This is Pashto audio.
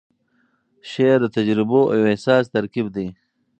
شعر د تجربو او احساس ترکیب دی.